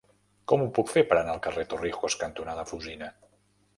Com ho puc fer per anar al carrer Torrijos cantonada Fusina?